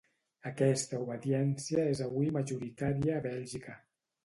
Aquesta obediència és avui majoritària a Bèlgica.